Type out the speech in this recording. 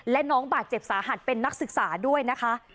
และน้องบาดเจ็บสาหัสเป็นนักศึกษาด้วยนะคะ